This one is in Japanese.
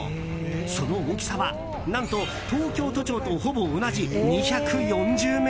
その大きさは何と東京都庁とほぼ同じ２４０ｍ。